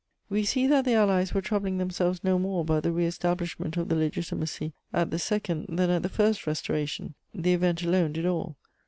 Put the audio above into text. We see that the Allies were troubling themselves no more about the re establishment of the Legitimacy at the Second than at the First Restoration: the event alone did all.